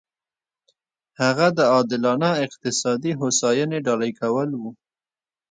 هغه د عادلانه اقتصادي هوساینې ډالۍ کول و.